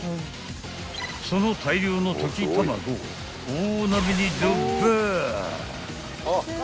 ［その大量の溶き卵を大鍋にドッバー］